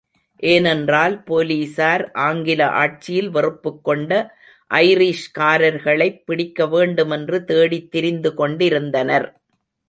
ஏனென்றால் போலிஸார் ஆங்கில ஆட்சியில் வெறுப்புக்கொண்ட ஐரிஷ்காரர்களைப் பிடிக்கவேண்டும் என்று தேடித்திரிந்து கொண்டிருந்தனர்.